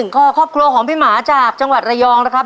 ข้อครอบครัวของพี่หมาจากจังหวัดระยองนะครับ